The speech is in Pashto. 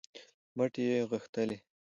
مټې یې غښتلې